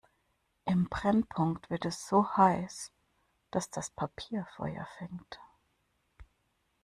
Im Brennpunkt wird es so heiß, dass das Papier Feuer fängt.